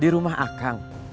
di rumah akang